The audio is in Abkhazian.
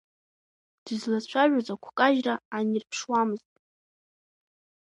Дызлацәажәоз агәкажьра анирԥшуамызт.